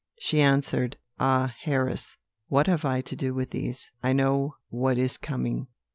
she answered: 'Ah, Harris! what have I to do with these? I know what is coming.'